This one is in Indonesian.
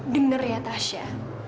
dengar ya tasya